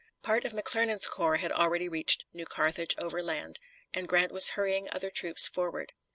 Part of McClernand's corps had already reached New Carthage overland, and Grant was hurrying other troops forward.